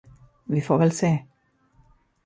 Vi får väl se.